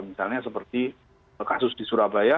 misalnya seperti kasus di surabaya